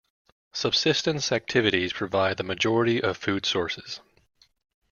Subsistence activities provide the majority of food sources.